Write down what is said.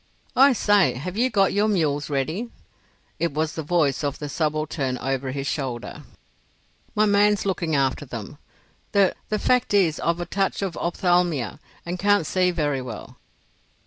"I say, have you got your mules ready?" It was the voice of the subaltern over his shoulder. "My man's looking after them. The—the fact is I've a touch of ophthalmia and can't see very well.